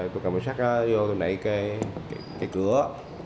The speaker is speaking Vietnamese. tôi cầm bài sách đó vô tôi đẩy cái cửa